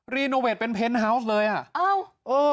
รีโนเวทเป็นเพนฮาวส์เลยอ่ะ